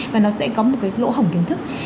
và nó sẽ có một cái lỗ hỏng kiến thức